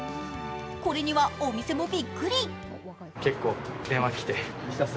これには、お店もびっくり。